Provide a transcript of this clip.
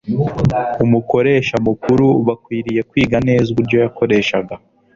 umukoresha mukuru, bakwiriye kwiga neza uburyo yakoreshaga